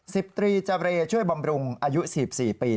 สิบตรีเจอร์เรช่วยบำรุงอายุสีบสี่ปี